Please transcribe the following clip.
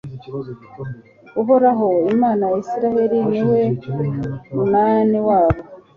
uhoraho, imana ya israheli ni we munani wabo